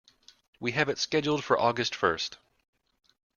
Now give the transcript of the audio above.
We have it scheduled for August first.